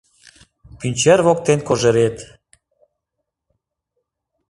Пӱнчер воктен кожерет.